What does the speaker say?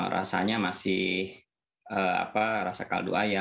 rasanya masih rasa kaldu ayam rasa kaldu udang ya